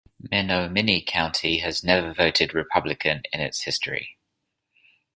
Menominee County has never voted Republican in its history.